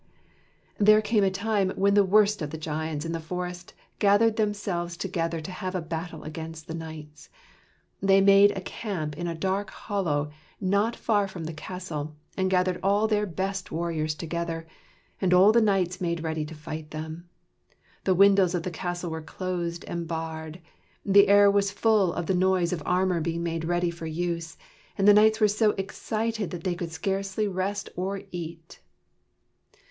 There came a time when the worst of the giants in the forest gathered themselves together to have a battle against the knights. They made a camp in a dark hollow not far from the castle, and gathered all their best warriors together, and all the knights made ready to fight them. The windows of the castle were closed and barred; the air was full of the noise of armor being made ready for use; and the knights were so excited that they could scarcely rest or eat.